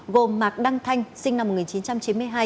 gồm mạc đăng thanh sinh năm một nghìn chín trăm chín mươi hai